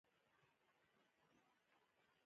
ابي غنم د سیندونو او کاریزونو په اوبو کیږي.